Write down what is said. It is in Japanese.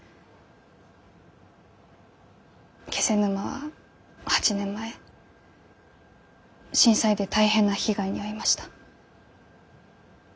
気仙沼は８年前震災で大変な被害に遭いました。